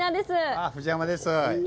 ああ藤山です。